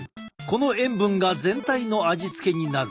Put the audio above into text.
この塩分が全体の味付けになる。